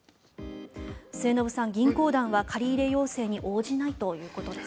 末延さん、銀行団は借り入れ要請に応じないということです。